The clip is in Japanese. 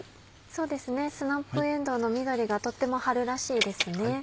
スナップえんどうの緑がとっても春らしいですね。